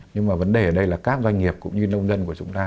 nhưng mà vấn đề ở đây là các doanh nghiệp cũng như nông dân của chúng ta